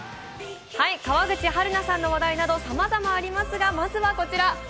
川口春奈さんの話題などさまざまありますが、まずはこちら。